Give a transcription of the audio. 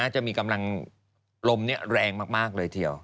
จะมีกำลังลมแรงมากเลยทีเดียว